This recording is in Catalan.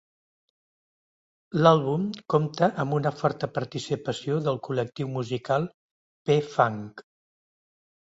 L'àlbum compta amb una forta participació del col·lectiu musical P-Funk.